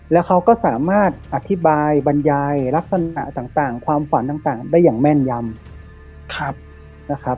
แล้วเขาก็สามารถอธิบายบรรยายลักษณะต่างความฝันต่างได้อย่างแม่นยำนะครับ